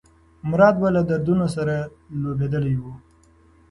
مراد به له دردونو سره لوبېدلی و.